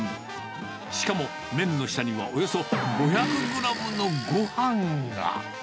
しかも、麺の下にはおよそ５００グラムのごはんが。